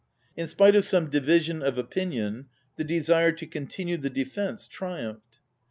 In spite of some division of opinion, the desire to continue the defence triumphed.